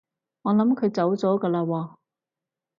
我諗佢走咗㗎喇喎